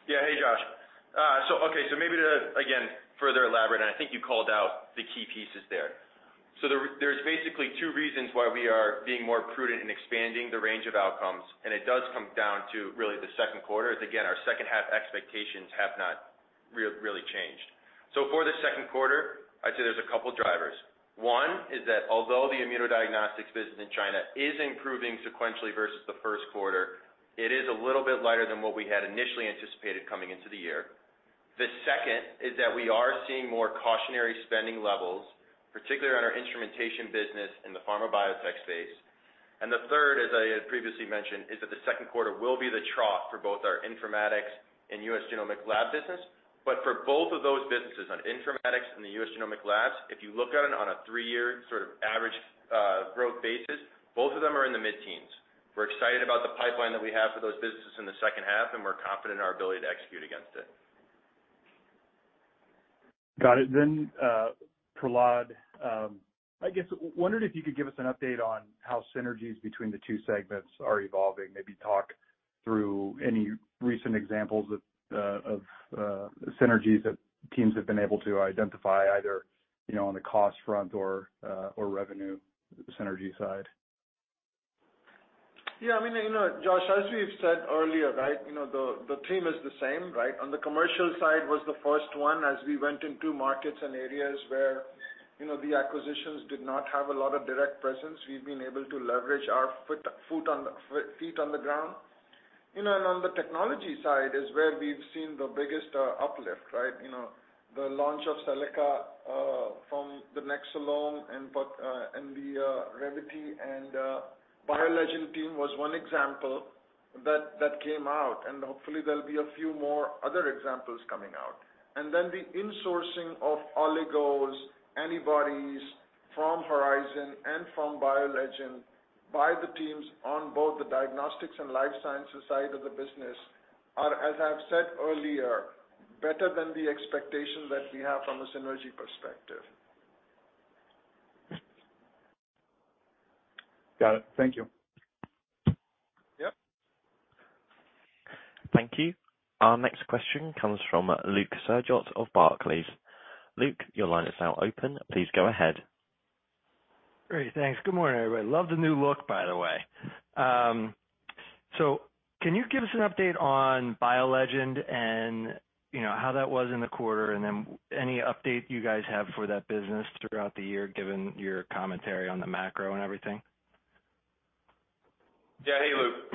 Yeah. Hey, Josh. Okay, maybe to, again, further elaborate, and I think you called out the key pieces there. There's basically two reasons why we are being more prudent in expanding the range of outcomes, and it does come down to really the second quarter, as again, our second half expectations have not really changed. For the second quarter, I'd say there's a couple drivers. One is that although the immunodiagnostics business in China is improving sequentially versus the first quarter, it is a little bit lighter than what we had initially anticipated coming into the year. The second is that we are seeing more cautionary spending levels, particularly on our instrumentation business in the pharma biotech space. The third, as I had previously mentioned, is that the second quarter will be the trough for both our informatics and U.S. genomic lab business. For both of those businesses, on informatics and the U.S. genomic labs, if you look at it on a 3-year sort of average, growth basis, both of them are in the mid-teens. We're excited about the pipeline that we have for those businesses in the second half, and we're confident in our ability to execute against it. Got it. Prahlad, I guess wondered if you could give us an update on how synergies between the two segments are evolving. Maybe talk through any recent examples of synergies that teams have been able to identify, either, you know, on the cost front or revenue synergy side. I mean, you know, Josh, as we've said earlier, right, you know, the team is the same, right? On the commercial side was the first one as we went into markets and areas where, you know, the acquisitions did not have a lot of direct presence. We've been able to leverage our feet on the ground. You know, on the technology side is where we've seen the biggest uplift, right? You know, the launch of Cellaca from the Nexcelom and the Revvity and BioLegend team was one example that came out, hopefully there'll be a few more other examples coming out. The insourcing of oligos, antibodies from Horizon and from BioLegend by the teams on both the diagnostics and life sciences side of the business are, as I've said earlier, better than the expectations that we have from a synergy perspective. Got it. Thank you. Yep. Thank you. Our next question comes from Luke Sergott of Barclays. Luke, your line is now open. Please go ahead. Great, thanks. Good morning, everybody. Love the new look, by the way. Can you give us an update on BioLegend and, you know, how that was in the quarter, and then any update you guys have for that business throughout the year, given your commentary on the macro and everything? Hey, Luke.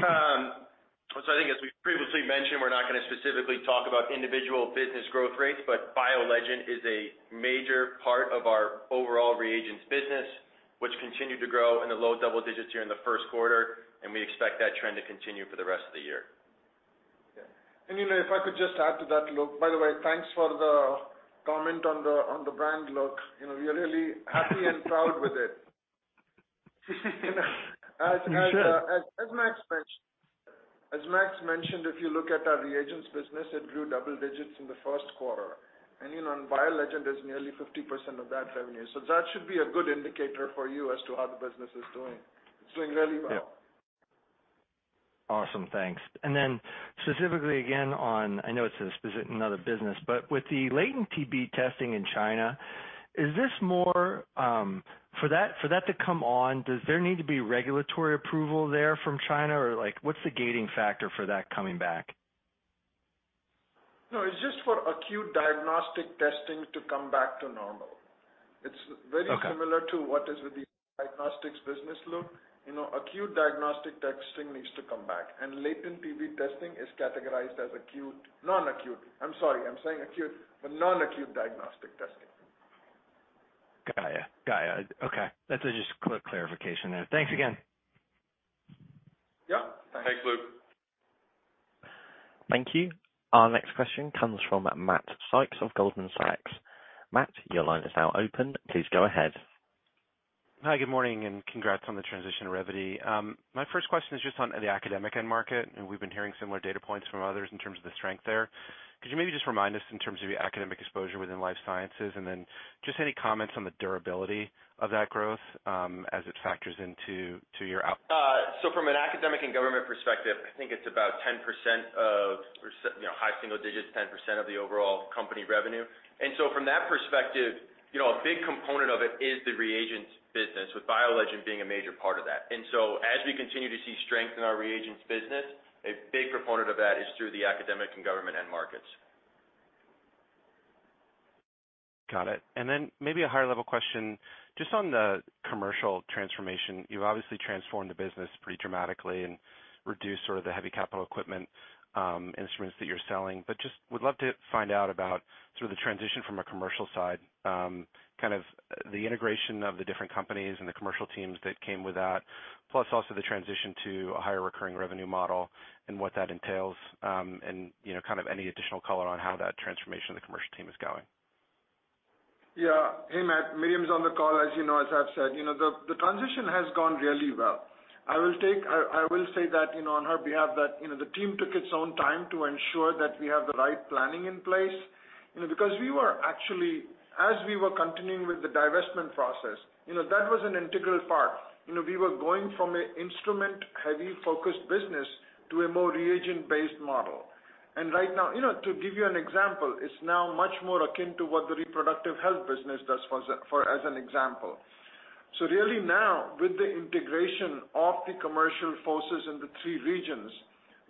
I think as we previously mentioned, we're not gonna specifically talk about individual business growth rates, but BioLegend is a major part of our overall reagents business, which continued to grow in the low double digits here in the first quarter, and we expect that trend to continue for the rest of the year. Yeah. You know, if I could just add to that, Luke. By the way, thanks for the comment on the, on the brand look. You know, we are really happy and proud with it. You should. As Max mentioned, if you look at our reagents business, it grew double digits in the first quarter. You know, BioLegend is nearly 50% of that revenue. That should be a good indicator for you as to how the business is doing. It's doing really well. Yeah. Awesome. Thanks. Specifically again on another business, but with the latent TB testing in China, is this more For that to come on, does there need to be regulatory approval there from China, or like what's the gating factor for that coming back? No, it's just for acute diagnostic testing to come back to normal. Okay. It's very similar to what is with the diagnostics business, Luke. You know, acute diagnostic testing needs to come back, and latent TB testing is categorized as non-acute. I'm sorry, I'm saying acute, but non-acute diagnostic testing. Got ya. Okay. That's just a quick clarification the re. Thanks again. Yep. Thanks. Thanks, Luke. Thank you. Our next question comes from Matt Sykes of Goldman Sachs. Matt, your line is now open. Please go ahead. Hi, good morning, and congrats on the transition to Revvity. My first question is just on the academic end market. We've been hearing similar data points from others in terms of the strength there. Could you maybe just remind us in terms of your academic exposure within life sciences, and then just any comments on the durability of that growth, as it factors into your out- From an academic and government perspective, I think it's about 10% of, you know, high single digits, 10% of the overall company revenue. From that perspective, you know, a big component of it is the reagents business, with BioLegend being a major part of that. As we continue to see strength in our reagents business, a big component of that is through the academic and government end markets. Got it. Maybe a higher level question just on the commercial transformation. You've obviously transformed the business pretty dramatically and reduced sort of the heavy capital equipment, instruments that you're selling. Just would love to find out about through the transition from a commercial side, kind of the integration of the different companies and the commercial teams that came with that, plus also the transition to a higher recurring revenue model and what that entails, and, you know, kind of any additional color on how that transformation of the commercial team is going. Hey, Matt. Miriame's on the call, as you know, as I've said. You know the transition has gone really well. I will say that, you know, on her behalf that the team took its own time to ensure that we have the right planning in place. You know, because we were actually as we were continuing with the divestment process, you know, that was an integral part. You know, we were going from an instrument-heavy focused business to a more reagent-based model. Right now, you know, to give you an example, it's now much more akin to what the reproductive health business does for, as an example. Really now, with the integration of the commercial forces in the three regions,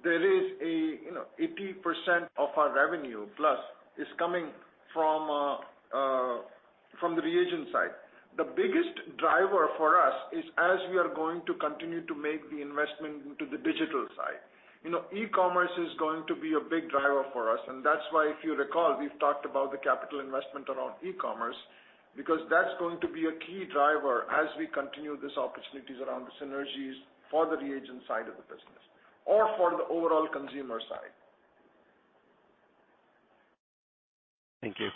there is a, you know, 80% of our revenue, plus, is coming from the reagent side. The biggest driver for us is as we are going to continue to make the investment into the digital side. You know, e-commerce is going to be a big driver for us, and that's why, if you recall, we've talked about the capital investment around e-commerce, because that's going to be a key driver as we continue these opportunities around the synergies for the reagent side of the business or for the overall consumer side. Thank you.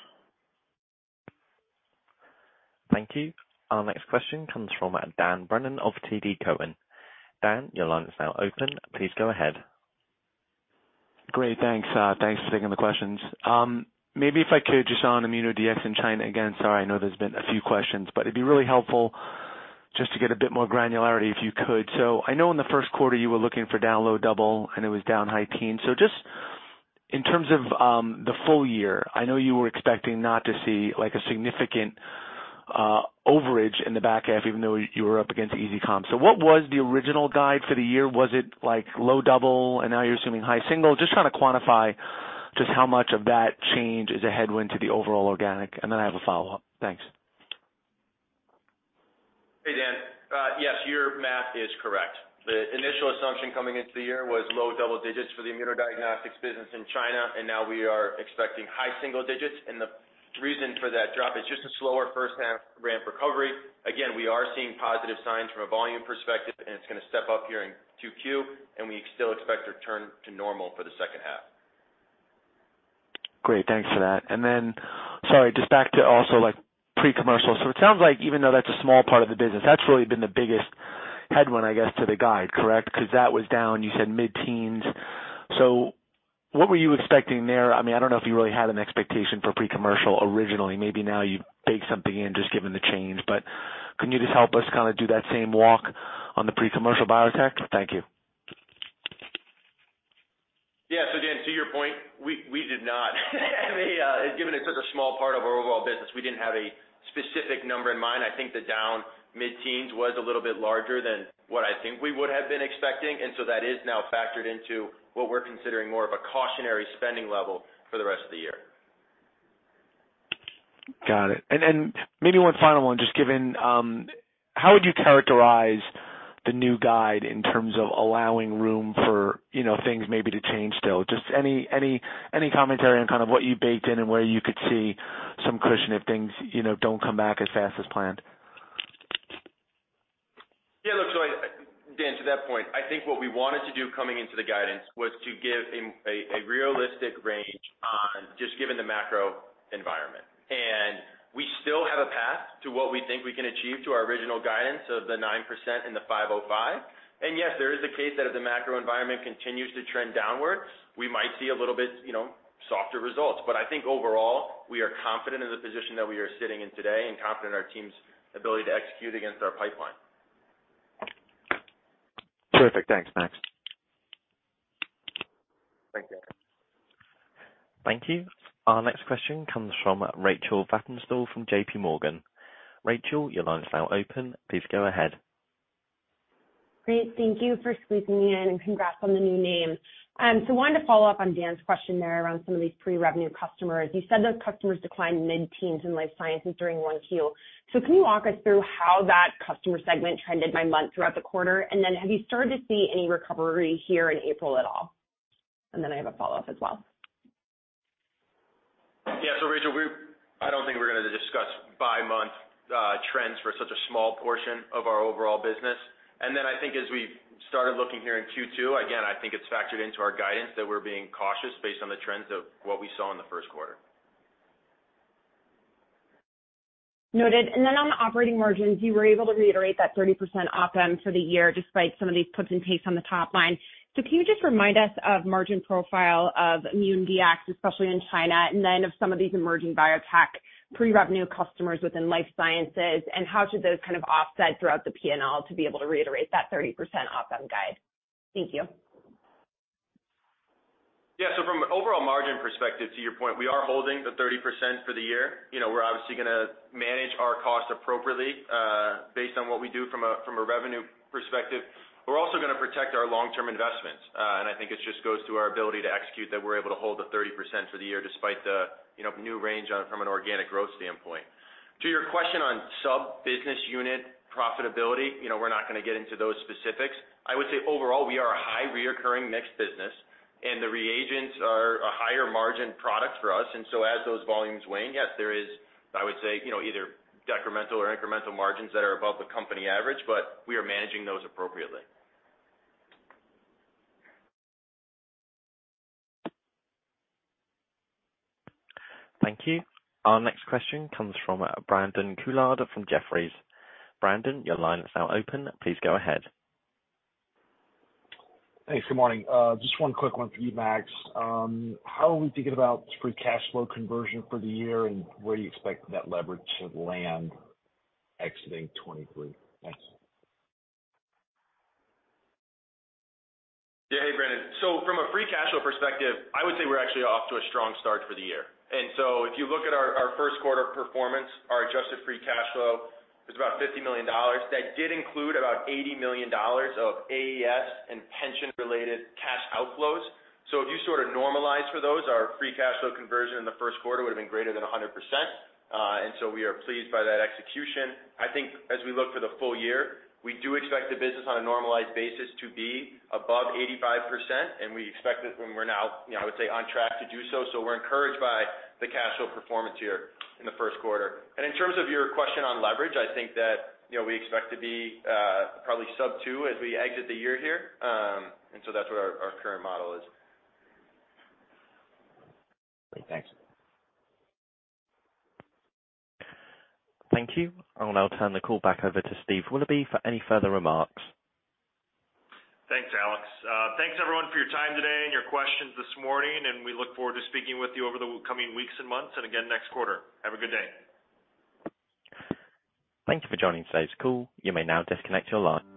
Thank you. Our next question comes from Dan Brennan of TD Cowen. Dan, your line is now open. Please go ahead. Great, thanks. Thanks for taking the questions. Maybe if I could just on ImmunoDX in China again. Sorry, I know there's been a few questions, but it'd be really helpful just to get a bit more granularity, if you could. I know in the first quarter you were looking for down low double, and it was down high teen. Just in terms of the full year, I know you were expecting not to see like a significant overage in the back half even though you were up against easy comp. What was the original guide for the year? Was it like low double and now you're assuming high single? Just trying to quantify just how much of that change is a headwind to the overall organic. I have a follow-up. Thanks. Hey, Dan. Yes, your math is correct. The initial assumption coming into the year was low double digits for the immunodiagnostics business in China. Now we are expecting high single digits. The reason for that drop is just a slower first half ramp recovery. Again, we are seeing positive signs from a volume perspective, and it's going to step up here in two Q, and we still expect to return to normal for the second half. Great, thanks for that. Sorry, just back to also like pre-commercial. It sounds like even though that's a small part of the business, that's really been the biggest headwind, I guess, to the guide, correct? Because that was down, you said mid-teens. What were you expecting there? I mean, I don't know if you really had an expectation for pre-commercial originally. Maybe now you baked something in just given the change. Can you just help us kind of do that same walk on the pre-commercial biotech? Thank you. Yes. Again, to your point, we did not. I mean, given it's such a small part of our overall business, we didn't have a specific number in mind. I think the down mid-teens was a little bit larger than what I think we would have been expecting. That is now factored into what we're considering more of a cautionary spending level for the rest of the year. Got it. Maybe one final one, just given, how would you characterize the new guide in terms of allowing room for, you know, things maybe to change still? Just any commentary on kind of what you baked in and where you could see some cushion if things, you know, don't come back as fast as planned? Look, Dan, to that point, I think what we wanted to do coming into the guidance was to give a realistic range on just given the macro environment. We still have a path to what we think we can achieve to our original guidance of the 9% and the 505. Yes, there is a case that if the macro environment continues to trend downwards, we might see a little bit, you know, softer results. I think overall, we are confident in the position that we are sitting in today and confident in our team's ability to execute against our pipeline. Terrific. Thanks, Max. Thank you. Thank you. Our next question comes from Rachel Vatnsdal from JPMorgan. Rachel, your line is now open. Please go ahead. Great. Thank you for squeezing me in, and congrats on the new name. Wanted to follow up on Dan's question there around some of these pre-revenue customers. You said those customers declined mid-teens in life sciences during 1Q. Can you walk us through how that customer segment trended by month throughout the quarter? Have you started to see any recovery here in April at all? I have a follow-up as well. Yeah. Rachel, I don't think we're gonna discuss by month trends for such a small portion of our overall business. I think as we started looking here in Q2, again, I think it's factored into our guidance that we're being cautious based on the trends of what we saw in the first quarter. Noted. On the operating margins, you were able to reiterate that 30% OPM for the year despite some of these puts and takes on the top line. Can you just remind us of margin profile of immunodiagnostics, especially in China, and then of some of these emerging biotech pre-revenue customers within life sciences, and how should those kind of offset throughout the P&L to be able to reiterate that 30% OPM guide? Thank you. From an overall margin perspective, to your point, we are holding the 30% for the year. You know, we're obviously gonna manage Our costs appropriately, based on what we do from a revenue perspective. We're also gonna protect our long-term investments. I think it just goes to our ability to execute that we're able to hold the 30% for the year despite the, you know, new range on it from an organic growth standpoint. To your question on sub-business unit profitability, you know, we're not gonna get into those specifics. I would say overall, we are a high reoccurring mixed business, and the reagents are a higher margin product for us. As those volumes wane, yes, there is, I would say, you know, either decremental or incremental margins that are above the company average, but we are managing those appropriately. Thank you. Our next question comes from Brandon Couillard from Jefferies. Brandon, your line is now open. Please go ahead. Thanks. Good morning. Just one quick one for you, Max. How are we thinking about free cash flow conversion for the year, and where do you expect that leverage to land exiting 2023? Thanks. Hey, Brandon. From a free cash flow perspective, I would say we're actually off to a strong start for the year. If you look at our first quarter performance, our adjusted free cash flow was about $50 million. That did include about $80 million of AES and pension-related cash outflows. If you sort of normalize for those, our free cash flow conversion in the first quarter would have been greater than 100%. We are pleased by that execution. As we look for the full year, we do expect the business on a normalized basis to be above 85%, and we expect it when we're now, you know, I would say on track to do so. We're encouraged by the cash flow performance here in the first quarter. In terms of your question on leverage, I think that, you know, we expect to be probably sub-2 as we exit the year here. That's what our current model is. Great. Thanks. Thank you. I'll now turn the call back over to Steve Willoughby for any further remarks. Thanks, Alex. Thanks everyone for your time today and your questions this morning, we look forward to speaking with you over the coming weeks and months and again next quarter. Have a good day. Thank you for joining today's call. You may now disconnect your line.